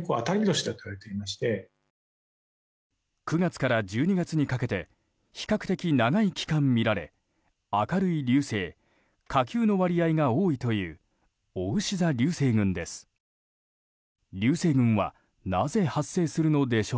９月から１２月にかけて比較的長い期間見られ明るい流星、火球の割合が多いというおうし座流星群です。